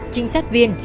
chính sát viên